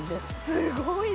すごいね。